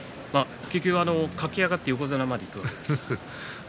結局、駆け上がって横綱までいくわけです。